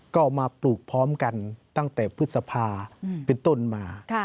ก็มาปลูกพร้อมกันตั้งแต่พฤษภาเป็นต้นมา